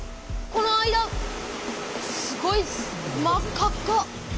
この間すごい真っ赤っか。